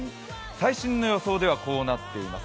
最新の予想ではこうなっています。